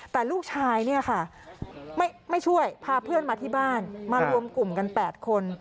แต่ลูกชายเนี่ยค่ะไม่ช่วยพาเพื่อนมาที่บ้านมารวมกลุ่มกัน๘คน